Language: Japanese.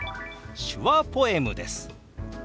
手話ポエムです。